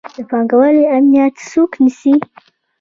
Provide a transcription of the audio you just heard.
د پانګوالو امنیت څوک نیسي؟